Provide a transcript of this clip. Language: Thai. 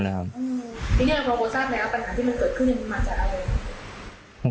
ยี่ยากเต้น